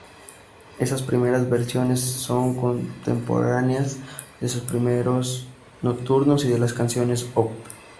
Esas primeras versiones son contemporáneas de sus primeros "Nocturnos" y de las "Canciones Op.